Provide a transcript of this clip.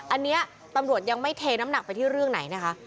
อันนี้ตำรวจยังไม่เทน้ำหนักไปที่เรื่องไหนนะคะ